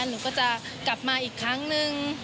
หนูก็จะกลับมาอีกครั้งนึง